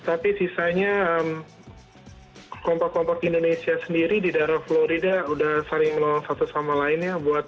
tapi sisanya kompak kompak indonesia sendiri di daerah florida sudah saling melawan satu sama lainnya